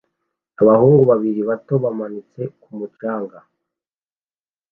Abahungu babiri bato bamanitse ku mucanga